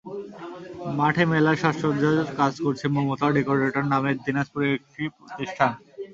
মাঠে মেলার সাজসজ্জার কাজ করছে মমতা ডেকোরেটর নামের দিনাজপুরের একটি প্রতিষ্ঠান।